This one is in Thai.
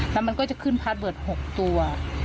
แล้วมันก็จะขึ้นพาร์ทเบิร์ด๖ตัว